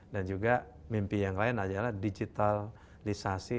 dan juga mimpi yang lain adalah digitalisasi